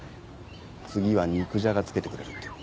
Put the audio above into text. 次は肉じゃがつけてくれるって。